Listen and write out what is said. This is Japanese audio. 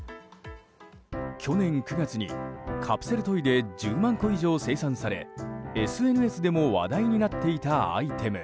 去年９月にカプセルトイで１０万個以上生産されＳＮＳでも話題になっていたアイテム。